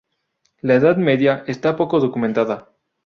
La Edad Media está poco documentada.